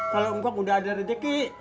kalau kukong sudah ada sedikit